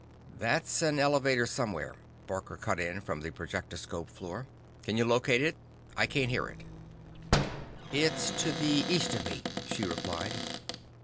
"That's an elevator somewhere," Barker cut in from the projectoscope floor. "Can you locate it? I can't hear it." "It's to the east of me," she replied.